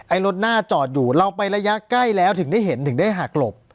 รถหน้าจอดอยู่เราไประยะใกล้แล้วถึงได้เห็นถึงได้หักหลบ